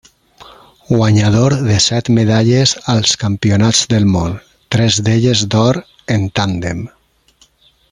Guanyador de set medalles als Campionats del món, tres d'elles d'or en tàndem.